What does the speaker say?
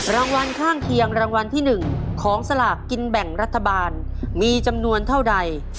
รางวัลข้างเคียงรางวัลที่๑ของสลากกินแบ่งรัฐบาลมีจำนวนเท่าใด